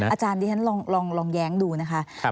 อาจารย์ดิฉันลองแย้งดูนะคะ